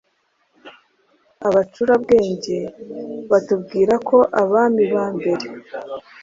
Abacurabwenge batubwira ko Abami ba mbere